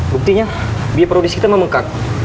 buktinya biaya produksi kita membengkak